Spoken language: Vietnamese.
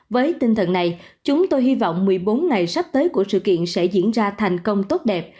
với tinh thần này chúng tôi hy vọng một mươi bốn ngày sắp tới của sự kiện sẽ diễn ra thành công tốt đẹp